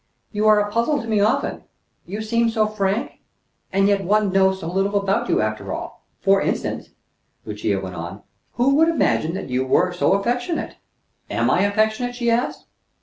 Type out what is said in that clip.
"You are a puzzle to me often. You seem so frank, and yet one knows so little about you after all. For instance," Lucia went on, "who would imagine that you are so affectionate?" "Am I affectionate?" she asked.